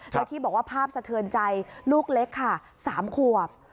แล้วที่บอกว่าภาพสะเทือนใจลูกเล็กค่ะ๓ขวบ